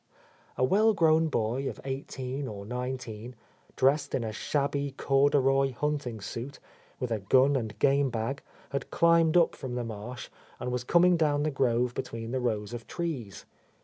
A well grown boy of eighteen or nineteen, dressed in a shabby corduroy hunting suit, with a gun and gamebag, had climbed up from the marsh and was coming down the grove between the rows of trees.